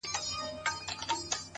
لکه سايه راپورې ـ پورې مه ځه!!